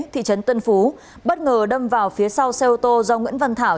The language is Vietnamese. thị trấn tân phú bất ngờ đâm vào phía sau xe ô tô do nguyễn văn thảo